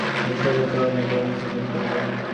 বিশ্বেশ্বরের চরণে প্রাণ বিসর্জন করিব।